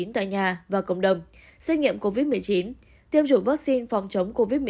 tại nhà và cộng đồng xét nghiệm covid một mươi chín tiêm chủng vaccine phòng chống covid một mươi chín